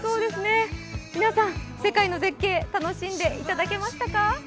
皆さん、世界の絶景楽しんでいただけましたか？